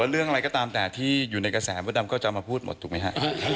เรื่องอะไรก็ตามแต่ที่อยู่ในกระแสพระดำเขาจะมาพูดหมดถูกมั้ยฮะ